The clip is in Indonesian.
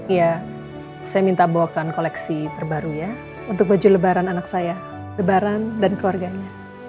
ya saya minta bawakan koleksi terbaru ya untuk baju lebaran anak saya lebaran dan keluarganya